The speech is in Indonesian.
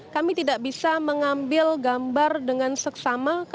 kami tidak bisa mengambil gambar dengan seksama